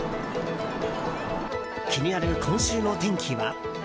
気になる今週の天気は。